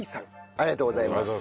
ありがとうございます。